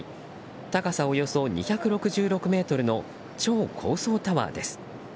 高さおよそ２６６ｍの超高層タワーです。